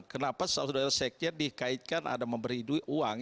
kenapa sudara sekjen dikaitkan ada memberi uang